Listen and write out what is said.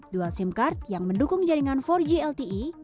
duel sim card yang mendukung jaringan empat g lte